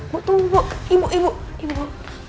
bu tunggu ibu ibu